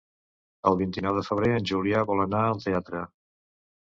El vint-i-nou de febrer en Julià vol anar al teatre.